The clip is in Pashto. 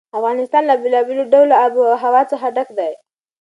افغانستان له بېلابېلو ډوله آب وهوا څخه ډک دی.